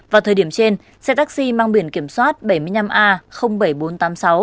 vào thời điểm trên xe taxi mang biển kiểm soát bảy mươi năm a bảy nghìn bốn trăm tám mươi sáu